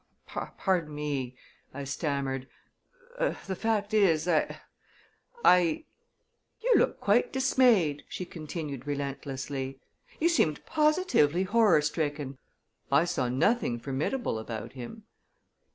"Pardon me," I stammered. "The fact is, I I " "You looked quite dismayed," she continued relentlessly. "You seemed positively horror stricken. I saw nothing formidable about him."